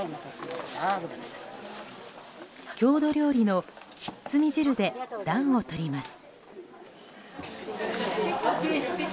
郷土料理のひっつみ汁で暖をとります。